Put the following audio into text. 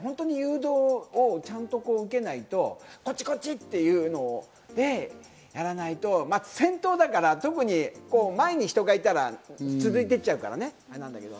誘導をちゃんと受けないと、こっちこっち！っていうのでやらないと先頭だから、特に前に人がいたら続いて行っちゃうからね。